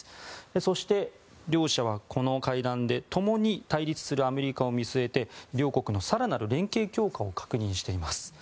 そして、両者はこの会談でともに対立するアメリカを見据えて両国の更なる連携強化を確認しています。